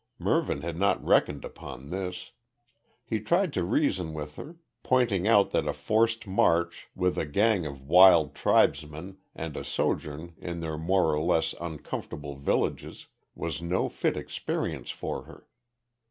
Mervyn had not reckoned upon this. He tried to reason with her, pointing out that a forced march with a gang of wild tribesmen and a sojourn in their more or less uncomfortable villages, was no fit experience for her.